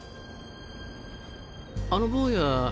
あの坊や。